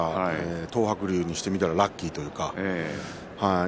東白龍にしてみればラッキーというか。